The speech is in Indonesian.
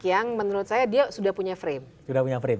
yang menurut saya dia sudah punya frame